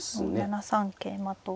７三桂馬と。